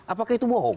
apakah itu bohong